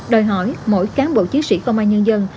đòi hỏi mỗi cán bộ chiến sĩ công an nhân dân